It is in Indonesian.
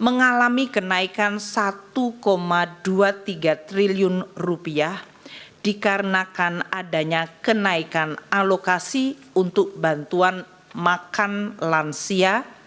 mengalami kenaikan satu dua puluh tiga triliun rupiah dikarenakan adanya kenaikan alokasi untuk bantuan makan lansia